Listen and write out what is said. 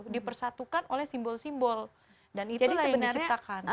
dipersatukan oleh simbol simbol dan itulah yang diciptakan